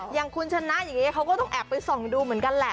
อย่างคุณชนะอย่างนี้เขาก็ต้องแอบไปส่องดูเหมือนกันแหละ